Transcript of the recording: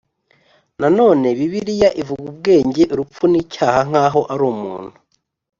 Na none bibiliya ivuga ubwenge urupfu nicyaha nkaho arumuntu